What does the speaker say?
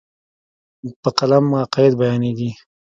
په قلم عقاید بیانېږي.